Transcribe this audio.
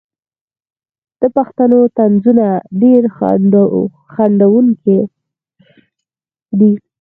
د پښتنو طنزونه ډیر خندونکي دي.